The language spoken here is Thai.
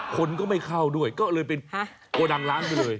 คนก็ไม่เข้าด้วยก็เลยเป็นโกดังล้างไปเลย